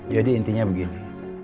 jadi intinya begini